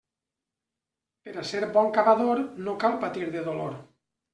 Per a ser bon cavador, no cal patir de dolor.